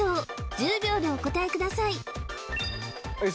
１０秒でお答えくださいエサ